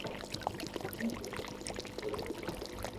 ڪونڪہ مارو ڪوم ھي سبو ني